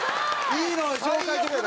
いいのを紹介してくれた。